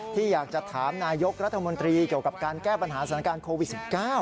ที่อยากจะถามนายกรัฐมนตรีเกี่ยวกับการแก้ปัญหาสถานการณ์โควิด๑๙